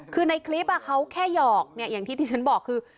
คือในคลิปเขาแค่หยอกอย่างที่ที่ฉันบอกคือ